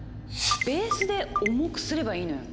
ベースで重くすればいいのよ。